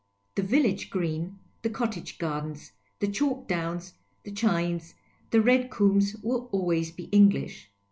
The village green, the cottage gardens, the chalk downs, the chines, the red coombs will always be English.